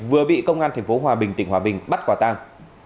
vừa bị công an tp hòa bình tỉnh hòa bình bắt quả tang